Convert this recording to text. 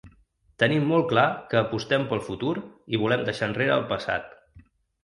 Tenim molt clar que apostem pel futur i volem deixar enrere el passat.